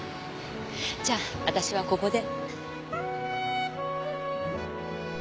じゃあ私はここで。